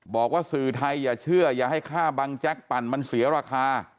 บอกว่าสื่อไทยอย่าเชื่ออย่าให้ค่าบังแจ๊กปั่นมันเสียราคา